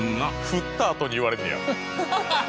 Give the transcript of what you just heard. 食ったあとに言われんねや。